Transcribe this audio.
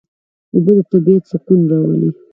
اوبه د طبیعت سکون راولي.